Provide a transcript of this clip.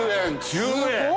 １０円！？